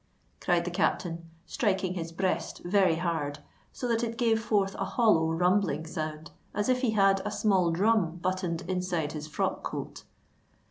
cried the captain, striking his breast very hard, so that it gave forth a hollow, rumbling sound, as if he had a small drum buttoned inside his frock coat.